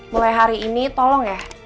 mulai hari ini tolong ya